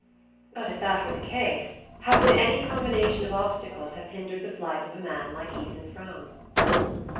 But if that were the case, how could any combination of obstacles have hindered the flight of a man like Ethan Frome?